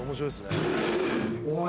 おい。